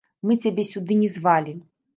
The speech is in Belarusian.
Мы цябе сюды не звалі.